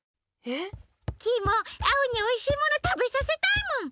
えっ？キイもアオにおいしいものたべさせたいもん。